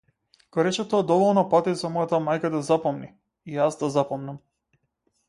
Го рече тоа доволно пати за мојата мајка да запомни, и јас да запомнам.